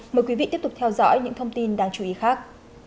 mời quý vị tiếp tục theo dõi những thông tin đáng chú ý khác